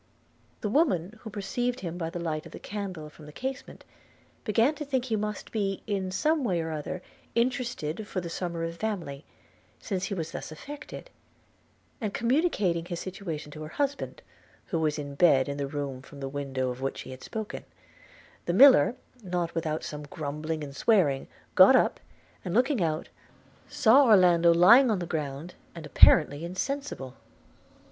The woman, who perceived him by the light of the candle from the casement, began to think he must be, in some way or other, interested for the Somerive family, since he was thus affected; and, communicating his situation to her husband, who was in bed in the room from the window of which she had spoken, the miller, not without some grumbling and swearing, got up, and, looking out, saw Orlando lying on the ground, and apparently insensible.